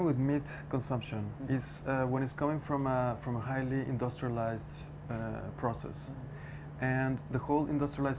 masalahnya dengan konsumsi daging adalah ketika itu datang dari proses yang sangat industrialisasi